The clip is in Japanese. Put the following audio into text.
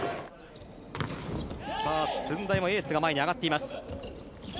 駿台のエースが前に上がっています。